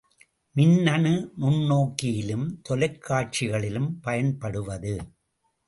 மின்னணு நுண்ணோக்கியிலும் தொலைக்காட்சிகளிலும் பயன்படுவது.